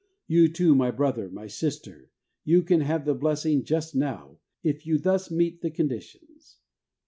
You too, my brother, my sister, you can have the blessing just now, if you thus meet the conditions.